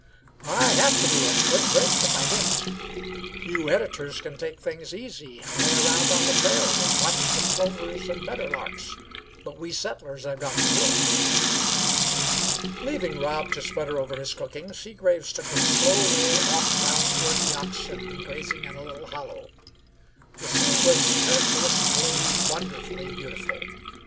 "I have t' do it. Couldn't break if I didn't. You editors c'n take things easy, lay around on the prairie, and watch the plovers and medderlarks; but we settlers have got to work." Leaving Rob to sputter over his cooking, Seagraves took his slow way off down toward the oxen grazing in a little hollow. The scene was characteristically, wonderfully beautiful.